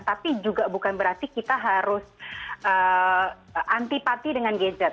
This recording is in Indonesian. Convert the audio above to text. tapi juga bukan berarti kita harus antipati dengan gadget